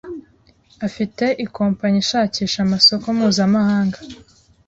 afite i kompanyi ishakira amasoko mpuzamahanga